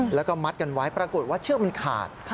แล้วก็มัดกันไว้ปรากฏว่าเชือกมันขาด